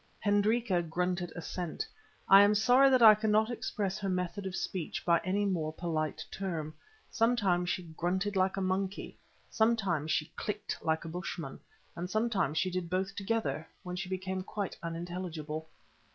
Hendrika grunted assent. I am sorry that I cannot express her method of speech by any more polite term. Sometimes she grunted like a monkey, sometimes she clicked like a Bushman, and sometimes she did both together, when she became quite unintelligible.